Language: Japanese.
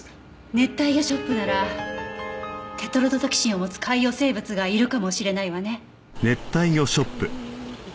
熱帯魚ショップならテトロドトキシンを持つ海洋生物がいるかもしれないわね。